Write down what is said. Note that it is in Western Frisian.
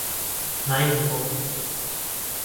Nije rigel.